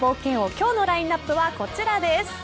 今日のラインアップはこちらです。